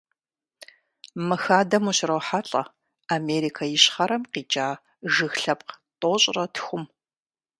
Мы хадэм ущрохьэлӀэ Америкэ Ищхъэрэм къикӀа жыг лъэпкъ тӏощӏрэ тхум.